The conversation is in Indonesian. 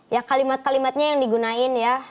ya kalimat kalimatnya yang digunakan ya